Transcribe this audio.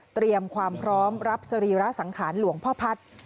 เตรียมความพร้อมรับสรีระสังขารหลวงพ่อพัฒน์